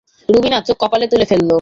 রুবিনা চোখ কপালে তুলে ফেলল।